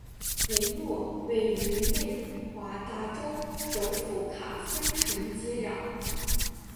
雷诺位于内华达州首府卡森城接壤。